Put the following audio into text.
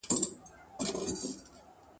یوه بل ته چي ورکړي مو وه زړونه ,